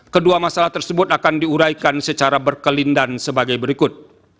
kedua masalah tersebut akan diuraikan secara berkelindan sebagai berikut